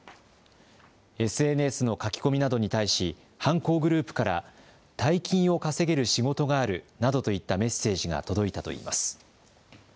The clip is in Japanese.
ＳＮＳの書き込みなどに対し犯行グループから大金を稼げる仕事があるなどといったメッセージが届いたといいます。